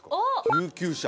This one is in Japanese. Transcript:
救急車